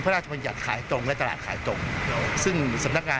ผิดวัตถุประสงค์